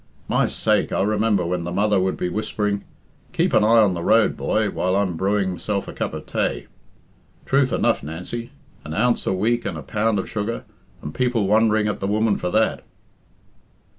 My sake, I remember when the mother would be whispering, 'Keep an eye on the road, boy, while I'm brewing myself a cup of tay.' Truth enough, Nancy. An ounce a week and a pound of sugar, and people wondering at the woman for that."